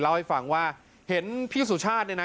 เล่าให้ฟังว่าเห็นพี่สุชาติเนี่ยนะ